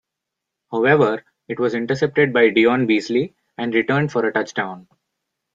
However, it was intercepted by Deon Beasley and returned for a touchdown.